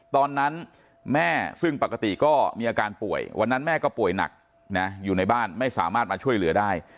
ตอนนั้นแม่ซึ่งปกติก็มีอาการป่วยวันนั้นแม่ก็ป่วยหนักนะอยู่ในบ้านไม่สามารถมาช่วยเหลือได้